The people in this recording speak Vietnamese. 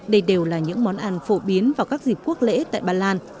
đây đều là những món ăn phổ biến vào các dịp quốc lễ tại ba lan